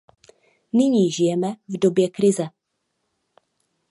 Nyní žijeme v době krize.